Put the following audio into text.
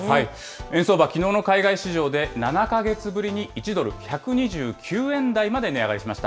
円相場、きのうの海外市場で７か月ぶりに１ドル１２９円台まで値上がりしました。